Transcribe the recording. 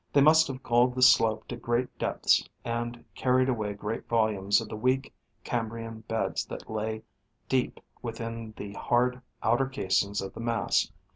21 ; they must have gullied the slope to great depths and carried away great volumes of the weak Cambrian beds that lay deep within the hard outer casings of the mass.